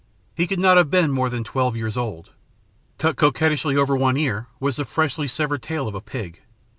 He could not have been more than twelve years old. Tucked coquettishly over one ear was the freshly severed tail of a pig.